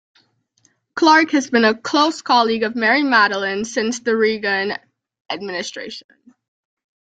Clarke has been a close colleague of Mary Matalin since the Reagan administration.